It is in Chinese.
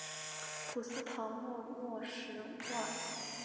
普斯陶莫诺什托尔。